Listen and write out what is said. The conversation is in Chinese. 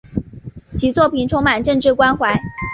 其作品充满政治关怀。